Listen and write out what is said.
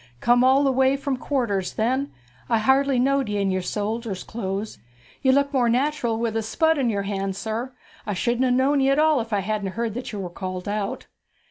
'Come all the way from quarters, then? I hardly knowed ye in your soldier's clothes. You'd look more natural with a spud in your hand, sir. I shouldn't ha' known ye at all if I hadn't heard that you were called out.'